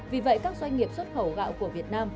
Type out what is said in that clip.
vì vậy các doanh nghiệp xuất khẩu gạo của việt nam